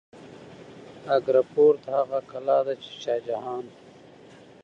اګره فورت هغه کلا ده چې شاه جهان